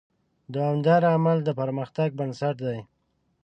دوامداره عمل د پرمختګ بنسټ دی.